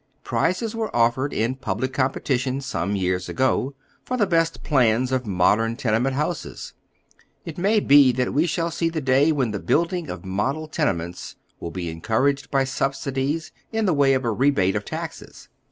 Pnzes were offered in public competition, some years ago, for the best plans of modern tenement houses. It may be that we shall see the day when the building of model tenements will be encouraged by subsidies in the way of a rebate of taxes.